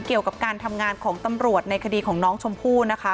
เกี่ยวกับการทำงานของตำรวจในคดีของน้องชมพู่นะคะ